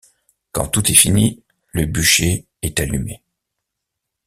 Quand tout est fini, le bûcher est allumé.